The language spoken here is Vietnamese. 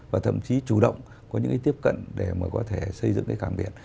mình chủ động có những cái tiếp cận để mà có thể xây dựng cái cảng biển